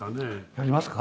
「やりますか？」